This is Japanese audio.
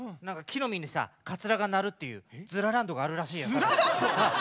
何か木の実にさカツラがなるっていう「ヅ・ラ・ランド」があるらしいよ。